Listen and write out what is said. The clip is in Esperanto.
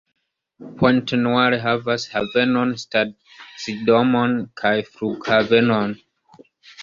Pointe-Noire havas havenon, stacidomon kaj flughavenon.